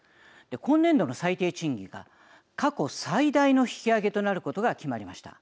今年度の最低賃金が過去最大の引き上げとなることが決まりました。